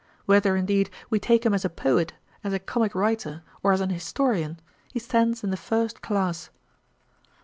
Whether, indeed, we take him as a poet, as a comick writer, or as an historian, he stands in the first class.'